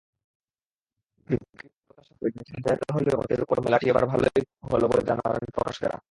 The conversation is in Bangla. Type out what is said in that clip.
বিক্রি প্রত্যাশামতোইনতুন জায়গা হলেও মোটের ওপর মেলাটি এবার ভালোই হলো বলে জানালেন প্রকাশকেরা।